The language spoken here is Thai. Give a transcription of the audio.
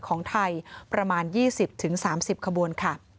ของไทยประมาณ๒๐๓๐ขบวนค่ะ